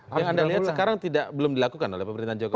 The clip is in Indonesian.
yang anda lihat sekarang belum dilakukan oleh pemerintahan jokowi